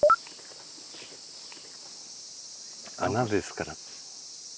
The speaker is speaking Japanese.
穴ですから。